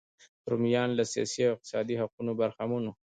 رومیان له سیاسي او اقتصادي حقونو برخمن وو.